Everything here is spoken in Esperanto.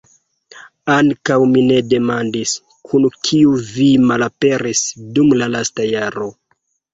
Ankaŭ mi ne demandis, kun kiu vi malaperis dum la lasta jaro.